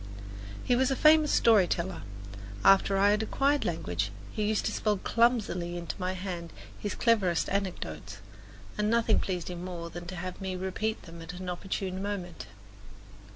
He was a famous story teller; after I had acquired language he used to spell clumsily into my hand his cleverest anecdotes, and nothing pleased him more than to have me repeat them at an opportune moment.